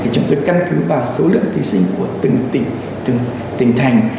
chúng tôi căn cứ vào số lượng thí sinh của từng tỉnh từng tỉnh thành